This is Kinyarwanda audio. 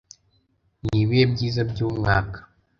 Nibihe byiza byumwaka.